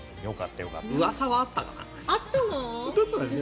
うわさはあったかな。